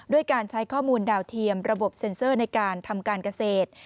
ด้วยการใช้ข้อมูลดาวเทียมระบบเซ็นเซอร์ในการทำการเกษตร